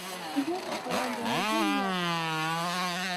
روژه د قرآن د نزول میاشت ده.